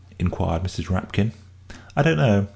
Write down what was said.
inquired Mrs. Rapkin. "I don't know.